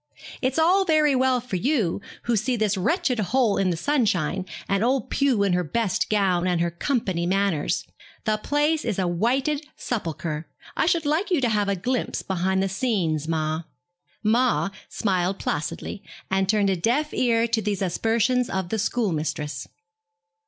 'It's all very well for you, who see this wretched hole in the sunshine, and old Pew in her best gown and her company manners. The place is a whited sepulchre. I should like you to have a glimpse behind the scenes, ma.' 'Ma' smiled placidly, and turned a deaf ear to these aspersions of the schoolmistress.